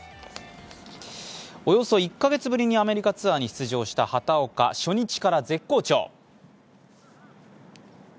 およそ１カ月ぶりにアメリカツアーに出場した畑岡ですが初日から絶好調。